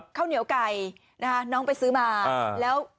ข้าวเหนียวไก่นะคะน้องไปซื้อมาแล้ว